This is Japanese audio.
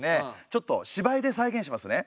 ちょっと芝居で再現しますね。